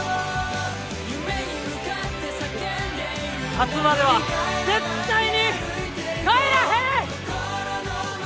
勝つまでは絶対に帰らへん！